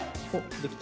できた。